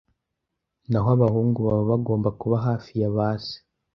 naho abahungu baba bagomba kuba hafi ya base